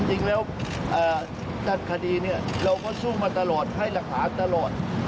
จริงแล้วด้านคดีเนี่ยเราก็สู้มาตลอดให้หลักฐานตลอด